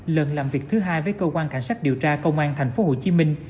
lần làm việc thứ hai với cơ quan cảnh sát điều tra công an thành phố hồ chí minh